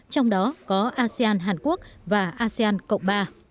trong đó có asean hàn quốc và asean cộng ba